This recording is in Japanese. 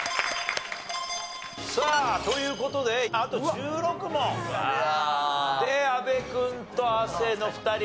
さあという事であと１６問で阿部君と亜生の２人。